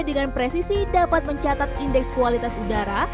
dengan presisi dapat mencatat indeks kualitas udara